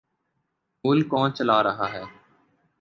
ملک کون چلا رہا ہے؟